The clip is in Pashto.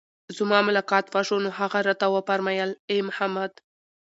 زما ملاقات وشو، نو هغه راته وفرمايل: اې محمد!